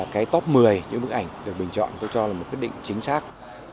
cái top một mươi những bức ảnh được bình chọn tôi cho là một quyết định chính xác